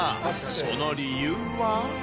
その理由は。